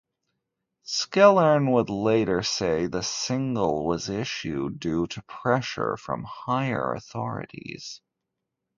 Skellern would later say the single was issued due to pressure from higher authorities.